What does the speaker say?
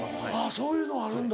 そういうのあるんだ。